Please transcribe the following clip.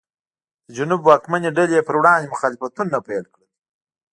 د جنوب واکمنې ډلې یې پر وړاندې مخالفتونه پیل کړل.